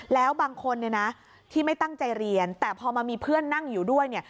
แล้วบางคนเนี่ยนะที่ไม่ตั้งใจเรียนแต่พอมามีเพื่อนนั่งอยู่ด้วยเนี่ย